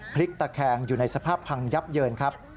พลิกตะแคงอยู่ในสภาพพังยับเยินครับ